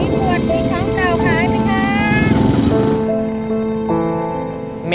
มีขวดมีช้องเก่าขายไหมคะ